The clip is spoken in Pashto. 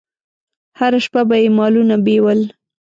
هره شپه به یې مالونه بېول.